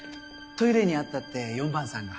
トイレにあったって４番さんが。